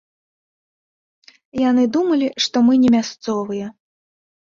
Яны думалі, што мы не мясцовыя!